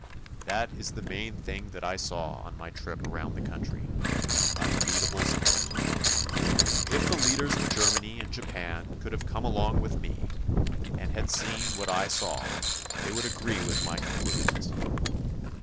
That is the main thing that I saw on my trip around the country unbeatable spirit. If the leaders of Germany and Japan could have come along with me, and had seen what I saw, they would agree with my conclusions.